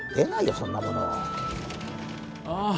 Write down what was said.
そんなものああ